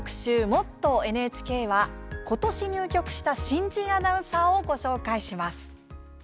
「もっとＮＨＫ」はことし入局した新人アナウンサーをご紹介します。